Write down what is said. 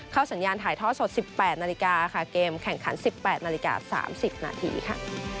เข้าสัญญาณถ่ายทอดสดสิบแปดนาฬิกาค่ะเกมแข่งขันสิบแปดนาฬิกาสามสิบนาทีค่ะ